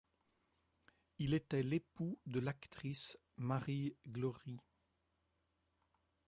Il était l'époux de l'actrice Marie Glory.